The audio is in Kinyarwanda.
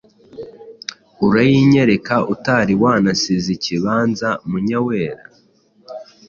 Urayinyereka utari wanasiza ikibanza? Munyawera: